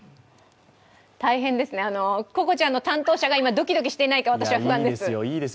大変ですね、ココちゃんの担当者がドキドキしていないか私は不安です。